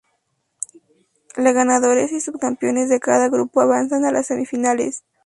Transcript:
La ganadores y subcampeones de cada grupo avanzan a las semifinales.